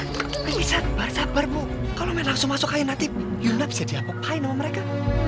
tapi sabar sabarmu kalau main langsung masuk kayak natif yuna bisa diapok apokin sama mereka